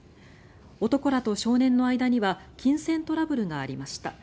男らと少年の間には金銭トラブルがありました。